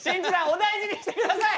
お大事にしてください！